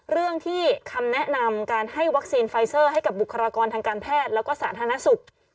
เรื่องที่คำแนะนำการให้วัคซีนไฟเซอร์ให้กับบุคลากรทางการแพทย์แล้วก็สาธารณสุข